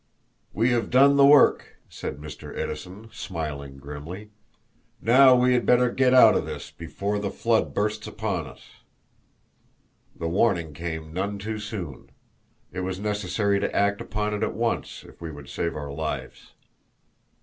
"We have done the work," said Mr. Edison, smiling grimly. "Now we had better get out of this before the flood bursts upon us." The warning came none too soon. It was necessary to act upon it at once if we would save our lives.